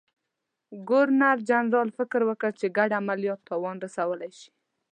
ګورنرجنرال فکر وکړ چې ګډ عملیات تاوان رسولای شي.